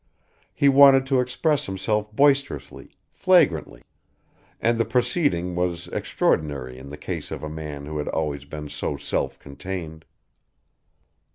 He wanted to express himself boisterously, flagrantly, and the proceeding was extraordinary in the case of a man who had always been so self contained.